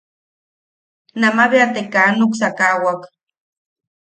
Nama bea te kaa nuksakawak.